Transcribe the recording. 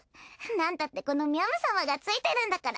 なんたってこのみゃむ様がついてるんだから。